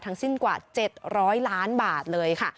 ทั้งสิ้นกว่า๗๐๐ล้านบาทเลย